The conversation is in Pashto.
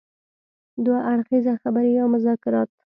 دوه اړخیزه خبرې يا مذاکرات.